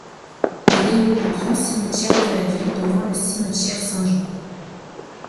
Il est le plus grand cimetière de la ville, devant le cimetière Saint-Jean.